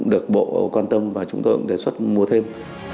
được bộ quan tâm và chúng tôi cũng đề xuất mua thêm